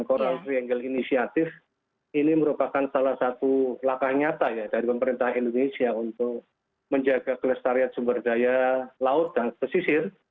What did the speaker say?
coral triangle initiative ini merupakan salah satu langkah nyata ya dari pemerintah indonesia untuk menjaga kelestarian sumber daya laut dan pesisir